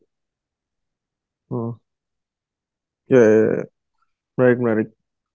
ya ya ya menarik menarik